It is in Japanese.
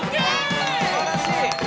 すばらしい。